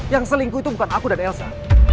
yang selingkuh itu bukan aku dan elsa